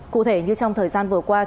cụ thể như trong thời gian vừa qua